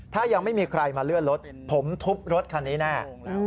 ถ้ายังไม่มีใครมาเลื่อนรถผมทุบรถคันนี้แน่